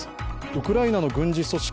ウクライナの軍事組織